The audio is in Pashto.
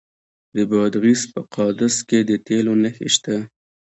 د بادغیس په قادس کې د تیلو نښې شته.